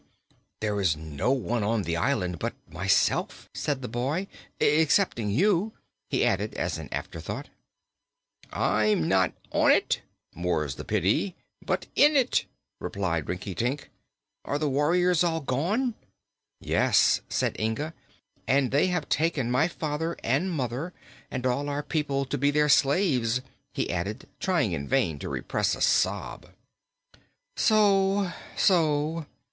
"There is no one on the island but myself," said the boy; " excepting you," he added, as an afterthought. "I'm not on it more's the pity! but in it," responded Rinkitink. "Are the warriors all gone?" "Yes," said Inga, "and they have taken my father and mother, and all our people, to be their slaves," he added, trying in vain to repress a sob. "So so!"